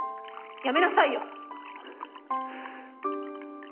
やめなさいよ！